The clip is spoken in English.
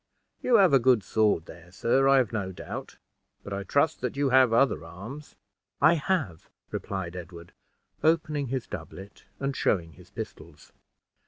You have a good sword there, sir, I have no doubt; but I trust that you have other arms." "I have," replied Ed ward, opening his doublet, and showing his pistols.